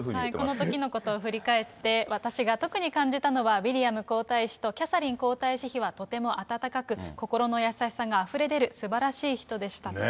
このときのことを振り返って、私が特に感じたのは、ウィリアム皇太子とキャサリン皇太子妃はとても温かく、心の優しさがあふれ出る、すばらしい人でした。